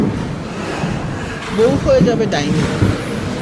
বৌ হয়ে যাবে ডাইনি!